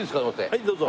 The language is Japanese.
はいどうぞ。